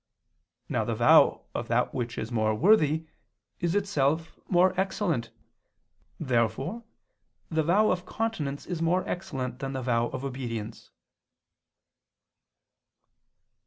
Now the vow of that which is more worthy is itself more excellent. Therefore the vow of continence is more excellent than the vow of obedience.